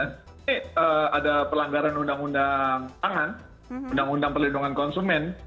ini ada pelanggaran undang undang pangan undang undang perlindungan konsumen